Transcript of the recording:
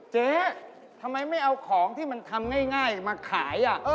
เจ๊ทำไมไม่เอาของที่มันทำง่ายมาขาย